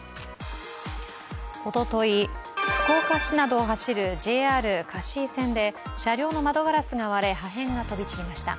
おととい、福岡市などを走るＪＲ香椎線で車両の窓ガラスが割れ破片が飛び散りました。